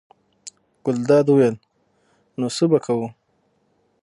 ګلداد وویل: نو څه به کوو.